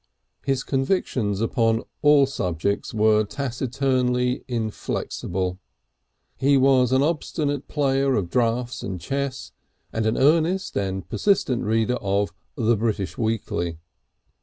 His convictions upon all subjects were taciturnly inflexible. He was an obstinate player of draughts and chess, and an earnest and persistent reader of the British Weekly.